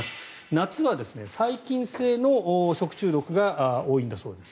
夏は細菌性の食中毒が多いんだそうです。